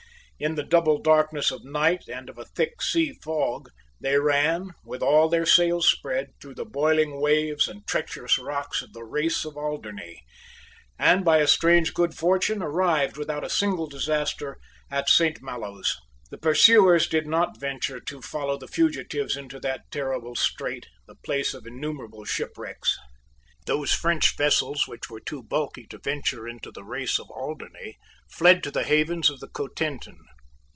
In the double darkness of night and of a thick sea fog, they ran, with all their sails spread, through the boiling waves and treacherous rocks of the Race of Alderney, and, by a strange good fortune, arrived without a single disaster at Saint Maloes. The pursuers did not venture to follow the fugitives into that terrible strait, the place of innumerable shipwrecks. Those French vessels which were too bulky to venture into the Race of Alderney fled to the havens of the Cotentin.